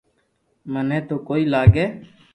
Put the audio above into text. مني تو ڪوئي لاگي